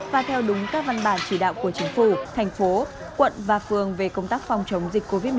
và theo đúng các văn bản chỉ đạo của chính phủ thành phố quận và phường về công tác phòng chống dịch covid một mươi